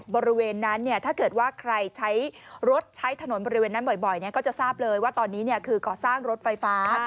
บริเวณนั้นถ้าเกิดว่าใครใช้รถใช้ถนนบริเวณนั้นบ่อยก็จะทราบเลยว่าตอนนี้คือก่อสร้างรถไฟฟ้า